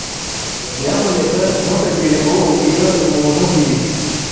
Nyamuneka ntukagire uwo ubwira umuntu ibi.